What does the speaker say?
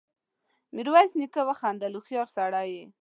ميرويس نيکه وخندل: هوښيار سړی يې!